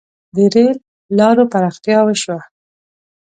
• د رېل لارو پراختیا وشوه.